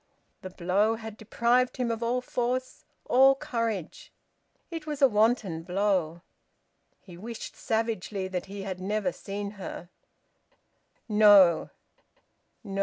The blow had deprived him of all force, all courage. It was a wanton blow. He wished savagely that he had never seen her... No! no!